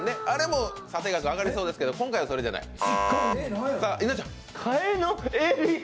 あれも査定額上がりそうですけど、今回はそれじゃない。